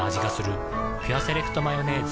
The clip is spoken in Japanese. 「ピュアセレクトマヨネーズ」